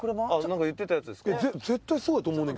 「なんか言ってたやつですか？」